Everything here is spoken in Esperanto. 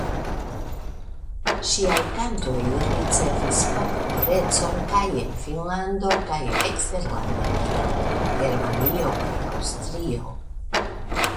Ŝiaj kantoj ricevis popularecon kaj en Finnlando kaj eksterlande kiel en Germanio kaj Aŭstrio.